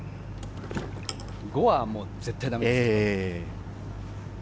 ５は絶対だめですけど。